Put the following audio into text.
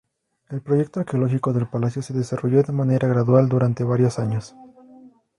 El proyecto arqueológico del palacio se desarrolló de manera gradual durante varios años.